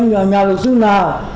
cho nhà lực sư nào